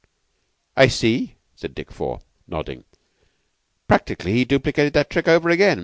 "I see," said Dick Four, nodding. "Practically he duplicated that trick over again.